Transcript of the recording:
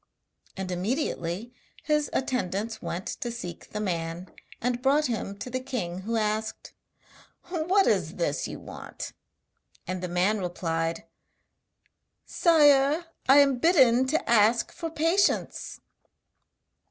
And immediately his attendants went to seek the man, and brought him to the king, who asked: 'What is this you want?' And the man replied: 'Sire! I am bidden to ask for patience.'